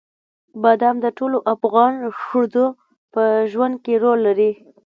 بادام د ټولو افغان ښځو په ژوند کې رول لري.